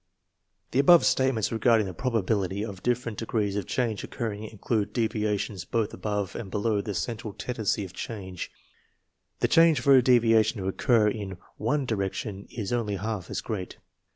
The above statements regarding the probability of different degrees of change occurring include devia tions both above and below the central tendency of change. The chance for a deviation to occur in one di rection isonly half as great.